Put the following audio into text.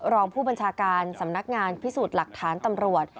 รองผู้บัญชาการสำนักงานพิสูจน์หลักฐานตำรวจ